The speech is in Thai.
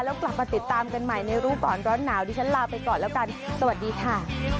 แล้วกลับมาติดตามกันใหม่ในรู้ก่อนร้อนหนาวดิฉันลาไปก่อนแล้วกันสวัสดีค่ะ